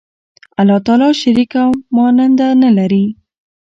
الله تعالی شریک او ماننده نه لری